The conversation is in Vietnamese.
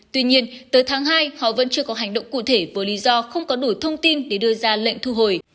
tuy nhiên tới tháng hai họ vẫn chưa có hành động cụ thể với lý do không có đủ thông tin để đưa ra lệnh thu hồi